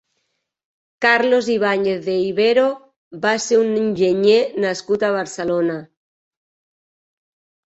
Carlos Ibáñez de Ibero va ser un enginyer nascut a Barcelona.